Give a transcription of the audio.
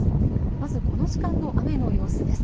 まずこの時間の雨の様子です。